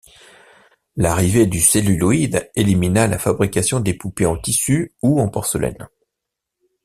L’arrivée du celluloïd élimina la fabrication des poupées en tissu ou en porcelaine.